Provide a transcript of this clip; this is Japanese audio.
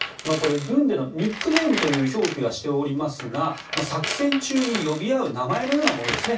軍での、ニックネームという表記はしておりますが作戦中に呼び合う名前のようなものですね